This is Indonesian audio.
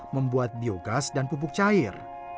membuat biogas dan pupuk cair